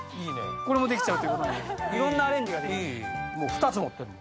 これもできちゃうということでいろんなアレンジができる。